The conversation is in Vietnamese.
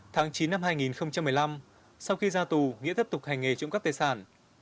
tháng chín năm hai nghìn một mươi năm sau khi ra tù nghĩa tiếp tục hành nghề trộm cắp tài sản